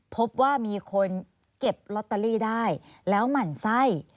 พบว่ามีคนเก็บลอตเตอรี่ได้แล้วหมั่นไส้